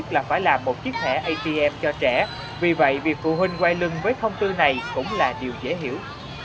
tại vì phụ huynh quay lưng với thông tư này cũng là điều dễ hiểu